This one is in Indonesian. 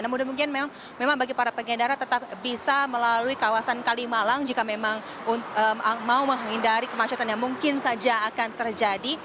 namun memang bagi para pengendara tetap bisa melalui kawasan kalimalang jika memang mau menghindari kemacetan yang mungkin saja akan terjadi